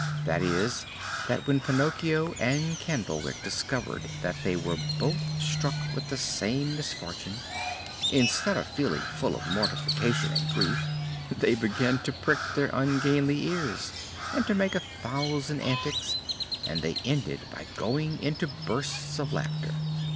That is, that when Pinocchio and Candlewick discovered that they were both struck with the same misfortune, instead of feeling full of mortification and grief, they began to prick their ungainly ears and to make a thousand antics, and they ended by going into bursts of laughter.